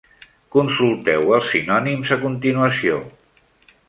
Consulteu els sinònims a continuació.